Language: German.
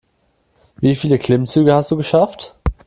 Wie viele Klimmzüge hast du geschafft?